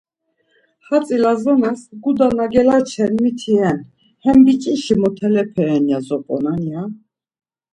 Hatzi Lazonas, guda na gelaçen miti ren, hem biç̌işi motalepe ren ya zop̌onan, yaaa...